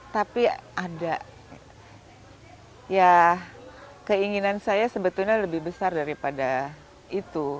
tapi ada ya keinginan saya sebetulnya lebih besar daripada itu